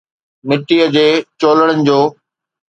مٽيءَ جي چولڙن جو